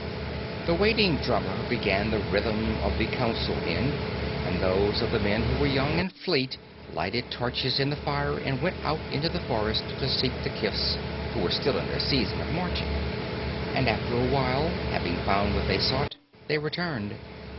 The waiting drummer began the rhythm of the council end, and those of the men who were young and fleet lighted torches in the fire and went out into the forest to seek the kifs, who were still in their season of marching. And after a while, having found what they sought, they returned.